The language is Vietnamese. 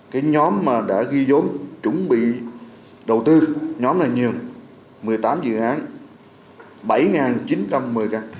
cái nhóm mà đã ghi dốn chuẩn bị đầu tư nhóm này nhiều một mươi tám dự án bảy chín trăm một mươi căn